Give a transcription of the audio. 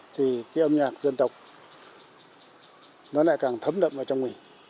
thì cái âm nhạc dân tộc nó lại càng thấm đậm vào trong mình